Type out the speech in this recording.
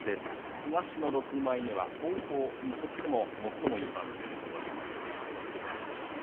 東の６枚目は王鵬にとっては最もいい番付で本場所を迎えています。